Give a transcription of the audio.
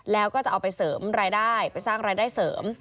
แล้วก็จะเอาไปเสริมรายได้ไปสร้างรายได้เสริม